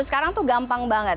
sekarang itu gampang banget